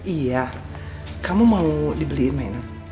iya kamu mau dibeliin enak